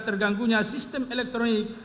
terganggu sistem elektroniknya